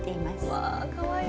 うわかわいい。